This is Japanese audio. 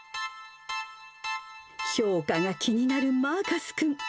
評価が気になるマーカス君。